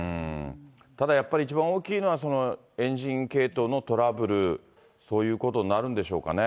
ただやっぱり、一番大きいのは、エンジン系統のトラブル、そういうことになるんでしょうかね。